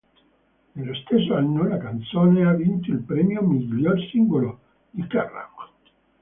Nello stesso anno, la canzone ha vinto il premio "Miglior singolo" di Kerrang!.